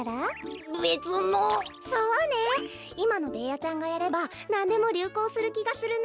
いまのベーヤちゃんがやればなんでもりゅうこうするきがするな。